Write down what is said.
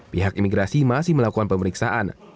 pihak imigrasi masih melakukan pemeriksaan